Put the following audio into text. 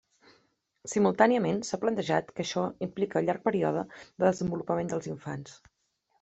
Simultàniament, s’ha plantejat que això explica el llarg període de desenvolupament dels infants.